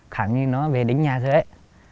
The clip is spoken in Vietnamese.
khoảng như nó về đến nhà rồi ấy